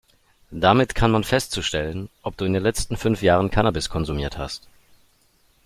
Damit kann man festzustellen, ob du in den letzten fünf Jahren Cannabis konsumiert hast.